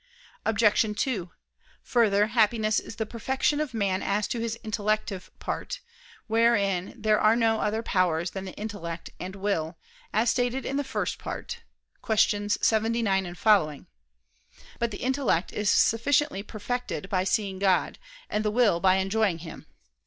Obj. 2: Further, happiness is the perfection of man as to his intellective part, wherein there are no other powers than the intellect and will, as stated in the First Part (QQ. 79 and following). But the intellect is sufficiently perfected by seeing God, and the will by enjoying Him.